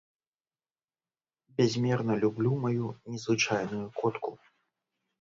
Бязмерна люблю маю незвычайную котку.